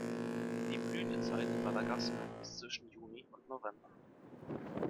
Die Blütezeit in Madagaskar ist zwischen Juni und November.